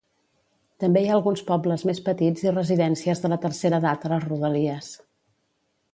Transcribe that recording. També hi ha alguns pobles més petits i residències de la tercera edat a les rodalies.